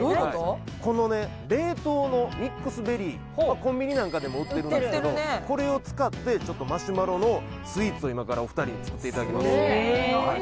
この冷凍のミックスベリーコンビニなんかでも売ってるんですけどこれを使ってマシュマロのスイーツを今からお二人に作っていただきます